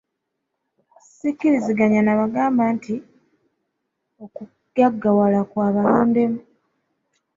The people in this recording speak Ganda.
Sikkiriziganya na bagamba nti okugaggawala kwa balondemu.